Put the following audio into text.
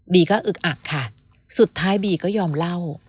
บีก็อึกอักขาดสุดท้ายบีก็ยอมเล่า